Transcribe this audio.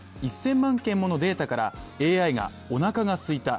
１０００万件ものデータからＡＩがおなかがすいた